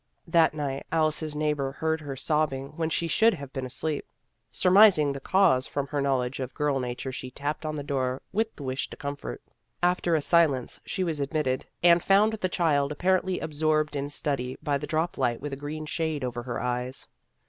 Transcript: That night Alice's neighbor heard her sobbing when she should have been asleep. Surmising the cause from her knowledge of girl nature, she tapped on the door with the wish to comfort. After a silence she was admitted, and found the child apparently absorbed in study by the drop light with a green shade over her eyes.